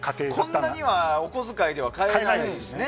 こんなにはお小遣いでは買えませんしね。